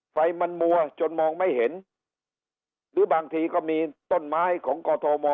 ไฟมันมัวจนมองไม่เห็นหรือบางทีก็มีต้นไม้ของกอทม